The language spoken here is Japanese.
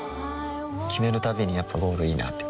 決めるたびにやっぱゴールいいなってふん